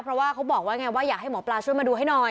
เพราะว่าเขาบอกว่าไงว่าอยากให้หมอปลาช่วยมาดูให้หน่อย